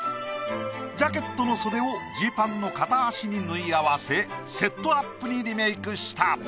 ジャケットの袖をジーパンの片足に縫い合わせセットアップにリメイクした。